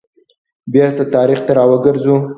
بیرته تاریخ ته را وګرځو.